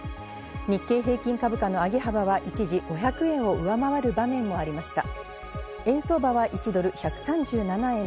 日経平均株価の上げ幅は一時５００円を上回る場面もありました。